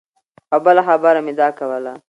او بله خبره مې دا کوله